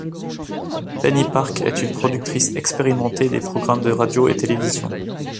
Penny Park est une productrice expérimentée des programmes de radio et télévision.